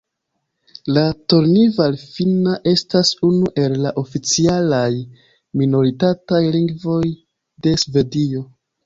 La Tornival-finna estas unu el la oficialaj minoritataj lingvoj de Svedio.